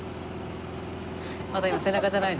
また今背中じゃないの？